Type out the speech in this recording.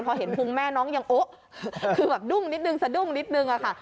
พอเห็นพุงแม่น้องยังโอ๊ะคือแบบดุ้งนิดนึงสะดุ้งนิดนึงอะค่ะ